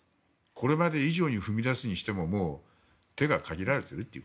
これまで以上に踏み出すにしてももう手が限られているという。